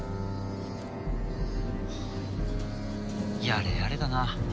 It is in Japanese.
やれやれだな。